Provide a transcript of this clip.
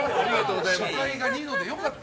初回がニノで良かった。